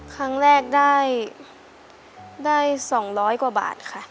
ครั้งแรกได้๒๐๐กว่าบาทค่ะ